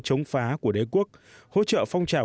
chống phá của đế quốc hỗ trợ phong trào